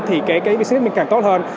thì cái business mình càng tốt hơn